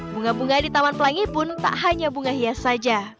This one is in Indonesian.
bunga bunga di taman pelangi pun tak hanya bunga hias saja